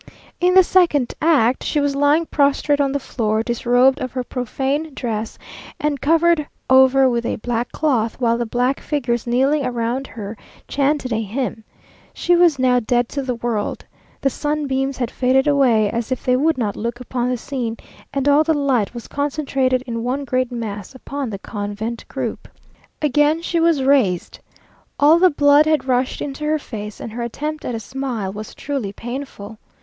In the second act, she was lying prostrate on the floor, disrobed of her profane dress, and covered over with a black cloth, while the black figures kneeling round her chanted a hymn. She was now dead to the world. The sunbeams had faded away, as if they would not look upon the scene, and all the light was concentrated in one great mass upon the convent group. Again she was raised. All the blood had rushed into her face, and her attempt at a smile was truly painful.